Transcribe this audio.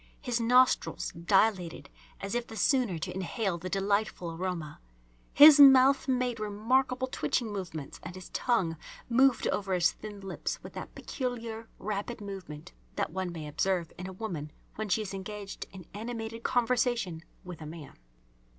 His nostrils dilated as if the sooner to inhale the delightful aroma. His mouth made remarkable twitching movements and his tongue moved over his thin lips with that peculiar rapid movement that one may observe in a woman when she is engaged in animated conversation with a man.